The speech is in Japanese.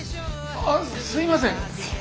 あすいません。